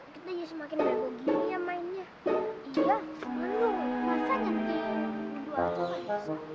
teman teman kapan aku jalannya udah sekarang giliran kamu